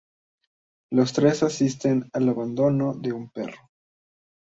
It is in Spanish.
Los tres asisten al abandono de un perro.